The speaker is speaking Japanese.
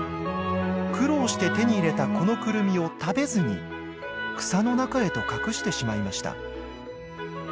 苦労して手に入れたこのクルミを食べずに草の中へと隠してしまいました。